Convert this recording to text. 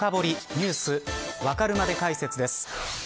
ニュースわかるまで解説です。